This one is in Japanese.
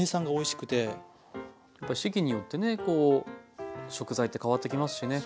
やっぱ四季によってねこう食材って変わってきますしね。